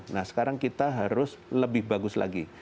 nah sekarang kita harus lebih bagus lagi